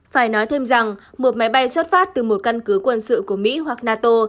phải nói thêm rằng một máy bay xuất phát từ một căn cứ quân sự của mỹ hoặc nato